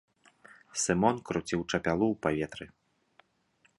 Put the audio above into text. Сымон круціў чапялу ў паветры.